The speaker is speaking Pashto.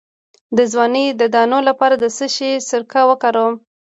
د ځوانۍ د دانو لپاره د څه شي سرکه وکاروم؟